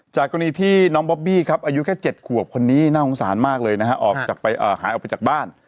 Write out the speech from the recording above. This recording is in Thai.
กรณีที่น้องบอบบี้ครับอายุแค่๗ขวบคนนี้น่าสงสารมากเลยนะฮะหายออกไปจากบ้าน